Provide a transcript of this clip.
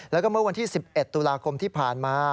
แล้วก็เมื่อวันที่๑๑ตุลาคมที่ผ่านมา